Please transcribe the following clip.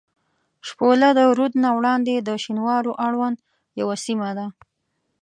شپوله له رود نه وړاندې د شینوارو اړوند یوه سیمه ده.